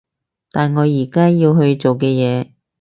但我而家要去做嘅嘢